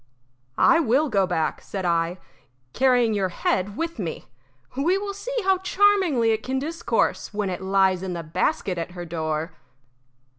"I will go back," said I, "carrying your head with me. We will see how charmingly it can discourse when it lies in the basket at her door."